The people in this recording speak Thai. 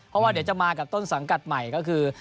เพราะว่าเดี๋ยวจะมากับต้นสังกัดใหม่ก็คือ